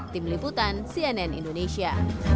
tim liputan cnn indonesia